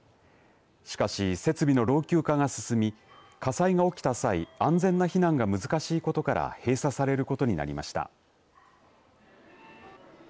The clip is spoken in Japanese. しかし、設備の老朽化が進み火災が起きた際安全な避難が難しいことから閉鎖されることになりました。